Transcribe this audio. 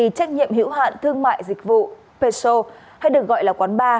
trách nhiệm hiểu hạn thương mại dịch vụ peso hay được gọi là quán ba